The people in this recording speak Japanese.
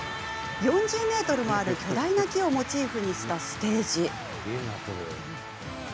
４０ｍもある巨大な木をモチーフにしたステージ。